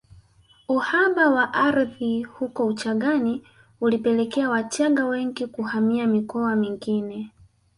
Uhaba wa ardhi huko Uchagani ulipelekea Wachagga wengi kuhamia mikoa mingine